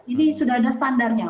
ini sudah ada standarnya